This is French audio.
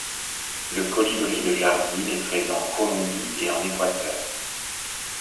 Le Colibri de Jardine est présent en Colombie et en Équateur.